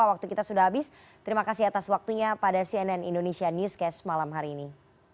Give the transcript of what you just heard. waktu kita sudah habis terima kasih atas waktunya pada cnn indonesia newscast malam hari ini